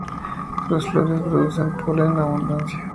Sus flores producen polen en abundancia.